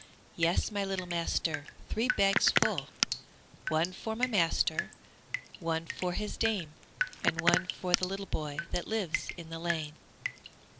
Yes, my little master, three bags full; One for my master and one for his dame, And one for the little boy that lives in the lane.